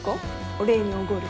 お礼におごる。